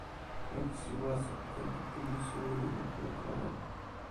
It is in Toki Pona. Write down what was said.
akesi waso pi tenpo pini suli li moku e kala.